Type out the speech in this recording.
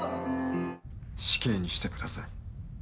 死刑にしてください。